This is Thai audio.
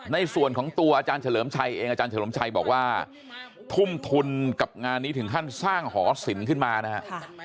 ในส่วนของตัวอาจารย์เฉลิมชัยเองอาจารย์เฉลิมชัยบอกว่าทุ่มทุนกับงานนี้ถึงขั้นสร้างหอศิลป์ขึ้นมานะครับ